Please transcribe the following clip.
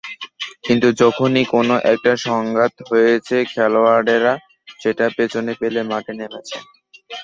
কিন্তু যখনই কোনো একটা সংঘাত হয়েছে, খেলোয়াড়েরা সেটা পেছনে ফেলেই মাঠে নেমেছে।